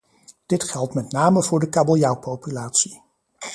Dit geldt met name voor de kabeljauwpopulatie.